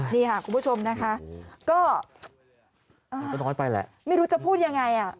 นี่ค่ะคุณผู้ชมนะฮะก็ไม่รู้จะพูดยังไงอ่ะ